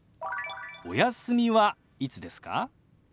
「お休みはいつですか？」。